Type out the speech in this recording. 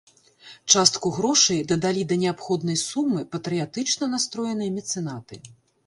Частку грошай дадалі да неабходнай сумы патрыятычна настроеныя мецэнаты.